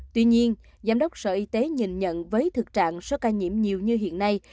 tuy nhiên giám đốc sở y tế nhìn nhận với thực trạng số ca nhiễm nhiều như hiện nay